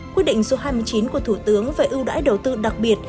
quyết định số hai mươi chín của thủ tướng về ưu đãi đầu tư đặc biệt